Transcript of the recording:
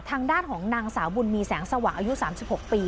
ทางด้านของนางสาวบุญมีแสงสว่างอายุ๓๖ปี